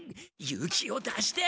勇気を出して。